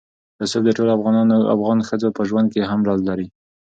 رسوب د ټولو افغان ښځو په ژوند کې هم رول لري.